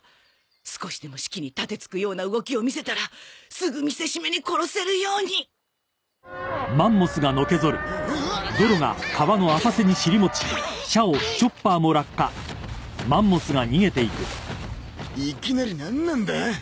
少しでもシキに盾つくような動きを見せたらすぐ見せしめに殺せるようにパオッうわっいきなりナンなんだァ？